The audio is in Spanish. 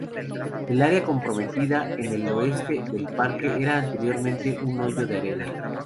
El área comprendida en el oeste del parque era anteriormente un hoyo de arena.